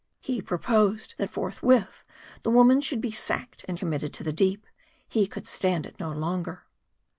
He proposed, that forthwith the woman should be sacked and committed to the deep ; he could stand it no longer.